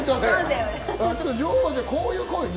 女王蜂は、こういう感じ？